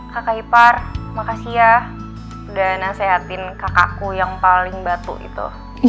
kakak ipar makasih ya udah nasehatin kakakku yang paling batu gitu